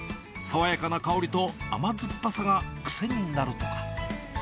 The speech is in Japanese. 爽やかな香りと甘酸っぱさが癖になるとか。